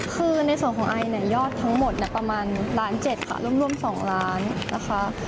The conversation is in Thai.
คือในส่วนของไอเนี่ยยอดทั้งหมดประมาณล้าน๗ค่ะร่วม๒ล้านนะคะ